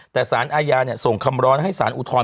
แต่สารอาญาส่งคำร้อนให้สารอุทธรณ